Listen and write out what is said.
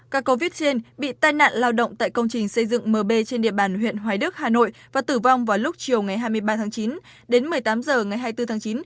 các covid một mươi chín bị tai nạn lao động tại công trình xây dựng mb trên địa bàn huyện hoài đức hà nội và tử vong vào lúc chiều ngày hai mươi ba tháng chín đến một mươi tám giờ ngày hai mươi bốn tháng chín